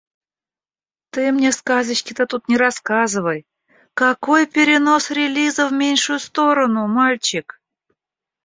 Ты мне сказочки-то тут не рассказывай! Какой перенос релиза в меньшую сторону, мальчик?